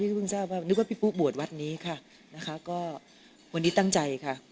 เพิ่งทราบว่านึกว่าพี่ปุ๊กบวชวัดนี้ค่ะนะคะก็วันนี้ตั้งใจค่ะ